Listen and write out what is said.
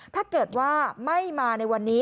ถ้าเกิดว่าไม่มาในวันนี้